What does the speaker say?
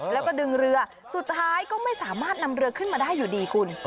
แล้วก็ดึงเรือสุดท้ายก็ไม่สามารถนำเรือขึ้นมาได้อยู่ดีคุณ